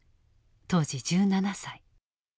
当時１７歳。